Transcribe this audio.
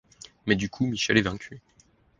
Mais du coup Michel est vaincu.